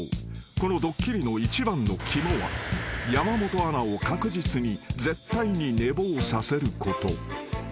［このドッキリの一番の肝は山本アナを確実に絶対に寝坊させること］